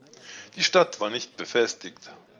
Die Stadt war nicht befestigt.